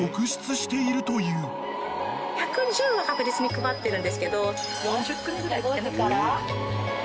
１１０は確実に配ってるんですけど４０組ぐらい来てない。